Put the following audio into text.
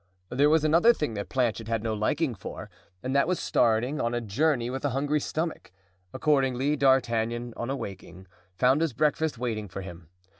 There was another thing that Planchet had no liking for and that was starting on a journey with a hungry stomach. Accordingly, D'Artagnan, on awaking, found his breakfast waiting for him.